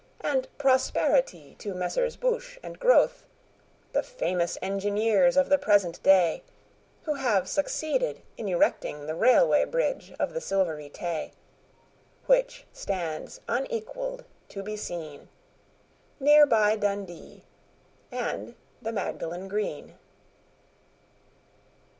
And prosperity to Messrs Bouche and Grothe, The famous engineers of the present day, Who have succeeded in erecting The Railway Bridge of the Silvery Tay, Which stands unequalled to be seen Near by Dundee and the Magdalen Green.